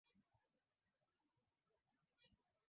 Kampeni zake zikawa na msisimko na hamasa kubwa